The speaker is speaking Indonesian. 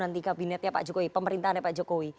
nanti kabinetnya pak jokowi pemerintahnya pak jokowi